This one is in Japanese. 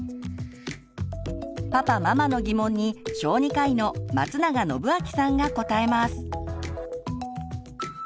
パパママの疑問に小児科医の松永展明さんが答えます。